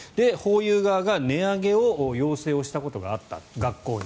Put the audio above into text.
ホーユー側が値上げを要請したことがあった、学校に。